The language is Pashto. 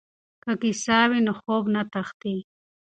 که کیسه وي نو خوب نه تښتي.